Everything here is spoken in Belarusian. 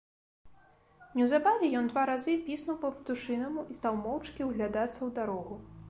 Неўзабаве ён два разы піснуў па-птушынаму і стаў моўчкі ўглядацца ў дарогу.